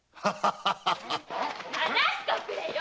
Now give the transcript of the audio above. ・放しとくれよ！